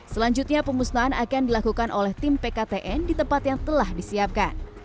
selanjutnya pemusnahan akan dilakukan oleh tim pktn di tempat yang telah disiapkan